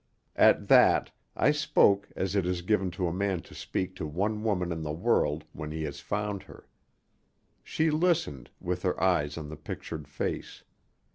At that, I spoke as it is given to a man to speak to one woman in the world when he has found her. She listened, with her eyes on the pictured face.